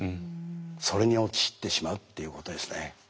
それに陥ってしまうっていうことですね。